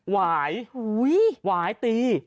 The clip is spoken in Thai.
หวายหวายตี